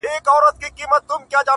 زما د ژوند د كرسمې خبري.